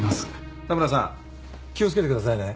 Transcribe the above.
田村さん気を付けてくださいね。